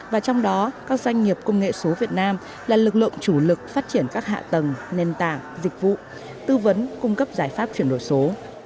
và trong đó các doanh nghiệp công nghệ số việt nam là lực lượng chủ lực phát triển các hạ tầng nền tảng dịch vụ tư vấn cung cấp giải pháp chuyển đổi số